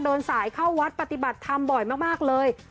เดินสายเข้าวัดปฏิบัติธรรมบ่อยมากเลย